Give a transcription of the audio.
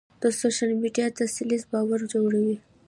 د سوشل میډیا تسلسل باور جوړوي.